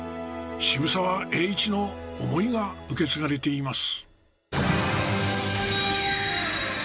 渋沢栄一の思いが受け継がれています。